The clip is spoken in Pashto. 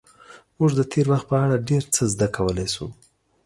موږ د تېر وخت په اړه ډېر څه زده کولی شو.